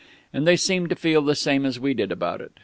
And they seemed to feel the same as we did about it.